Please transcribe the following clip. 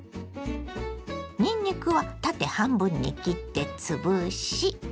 にんにくは縦半分に切って潰し。